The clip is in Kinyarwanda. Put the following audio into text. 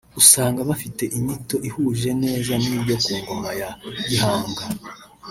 usanga bifite inyito ihuje neza n’ibyo ku ngoma ya Gihanga